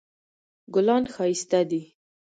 ګلان ښایسته دي